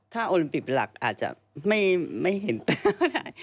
ถ้าโอลิมปิกเป็นหลักอาจจะไม่ไม่เห็นแป้วนะ